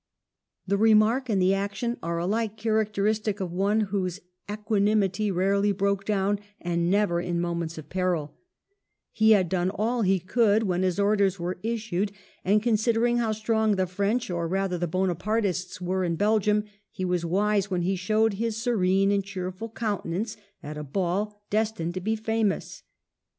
The remark and the action are alike characteristic of one whose equanimity rarely broke down, and never in moments of peril He had done all he could when his orders were issued, and, considering how strong the French, or rather the Bonapartists, were in Belgium, he was wise when he showed his serene and cheerful countenance at a ball destined to be famous.